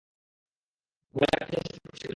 ভয় লাগাতে চেষ্টা করছ কেন?